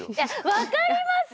分かります！